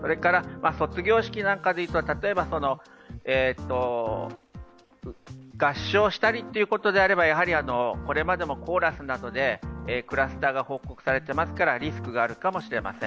卒業式なんかでいうと、例えば合唱したりということであれば、やはりこれまでもコーラスなどでクラスターが報告されていますからリスクがあるかもしれません。